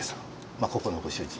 まあここのご主人。